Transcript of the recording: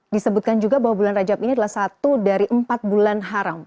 disebutkan juga bahwa bulan rajab ini adalah satu dari empat bulan haram